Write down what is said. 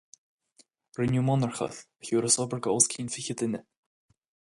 Rinneadh monarcha a thiúrfas obair do ós cionn fiche duine.